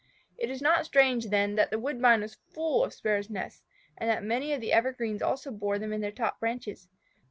It is not strange then that the woodbine was full of Sparrows' nests, and that many of the evergreens also bore them in their top branches.